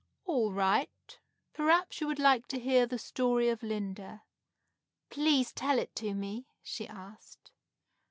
"All right, perhaps you would like to hear the story of Linda." "Please tell it to me?" she asked.